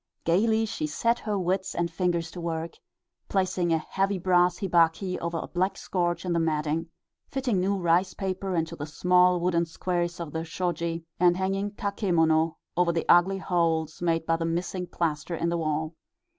Gaily she set her wits and fingers to work placing a heavy brass hibachi over a black scorch in the matting, fitting new rice paper into the small wooden squares of the shoji, and hanging kakemono over the ugly holes made by the missing plaster in the wall.